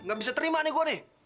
nggak bisa terima nih gua nih